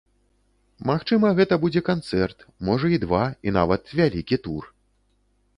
Магчыма, гэта будзе канцэрт, можа, і два, і нават вялікі тур.